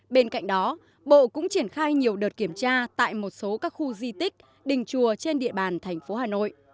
bên cạnh đó bộ cũng triển khai nhiều đợt kiểm tra tại một số các khu di tích đình chùa trên địa bàn thành phố hà nội